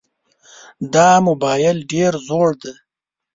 دا موبایل ډېر زوړ دی.